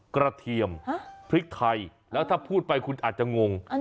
เทียมพริกไทยแล้วถ้าพูดไปคุณอาจจะงง